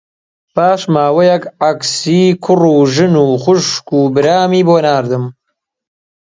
پاش ماوەیەک عەکسی کوڕ و ژن و خوشک و برامی بۆ ناردم